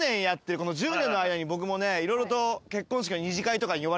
この１０年の間に僕もね色々と。